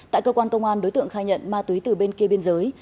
tại cơ quan công an đối tượng khai nhận ma túy từ bên kia biên giới